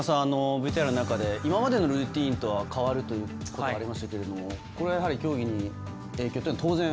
ＶＴＲの中で今までのルーティンとは違うとありましたが競技に影響というのは当然？